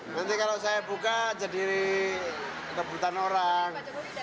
nanti kalau saya buka jadi kebutan orang